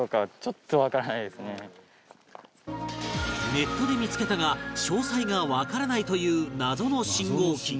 ネットで見付けたが詳細がわからないという謎の信号機